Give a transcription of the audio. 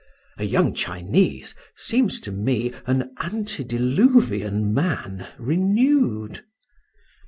A young Chinese seems to me an antediluvian man renewed.